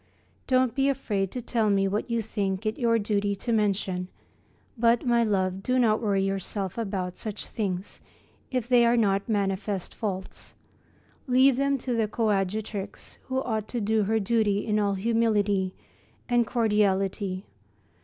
Don't be afraid to tell me what you think it your duty to mention, but, my love, do not worry yourself about such things, if they are not manifest faults. Leave them to the coadjutrix, who ought to do her duty in all humility and cordiality.